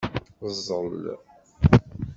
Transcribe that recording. Ẓẓel.